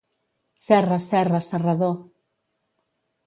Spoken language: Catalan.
Serra, serra, serrador.